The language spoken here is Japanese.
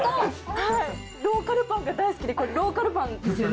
ローカルパンが大好きでこれローカルパンですよね？